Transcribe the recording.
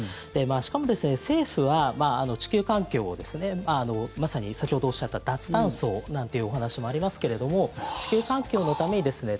しかも、政府は地球環境をまさに先ほどおっしゃった脱炭素なんてお話もありますけれども地球環境のためにですね